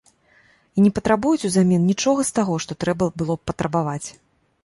І не патрабуюць узамен нічога з таго, што трэба было б патрабаваць.